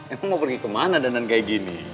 emang mau pergi kemana danan kayak gini